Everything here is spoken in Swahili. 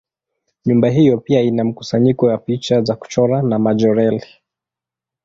Nyumba hiyo pia ina mkusanyiko wa picha za kuchora za Majorelle.